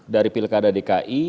dari pilkada dki